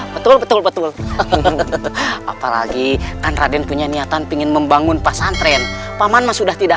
betul betul betul apalagi kan raden punya niatan pingin membangun pas antren paman sudah tidak